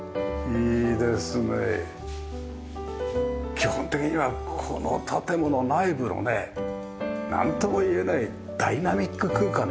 基本的にはこの建物内部のねなんともいえないダイナミック空間というかね。